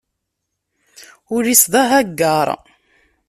Ul-is d ahaggaṛ.